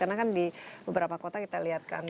karena kan di beberapa kota kita lihat kan